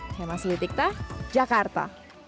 saya mas lidikta jakarta